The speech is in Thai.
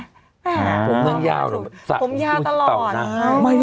ผมยาวตลอด